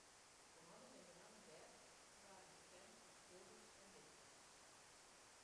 Jehannes en benammen Germ hawwe bekendheid krigen as skilders en dichters.